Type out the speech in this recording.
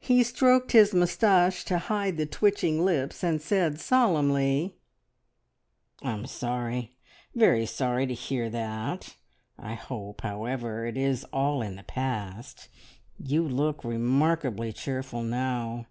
He stroked his moustache to hide the twitching lips, and said solemnly "I'm sorry very sorry to hear that! I hope, however, it is all in the past. You look remarkably cheerful now."